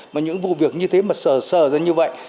mà những vụ việc như thế mà sở sờ ra như vậy